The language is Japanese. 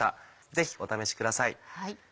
ぜひお試しください。